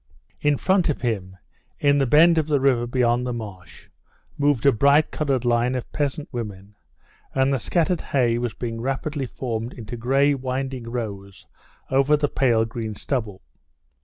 In front of him, in the bend of the river beyond the marsh, moved a bright colored line of peasant women, and the scattered hay was being rapidly formed into gray winding rows over the pale green stubble.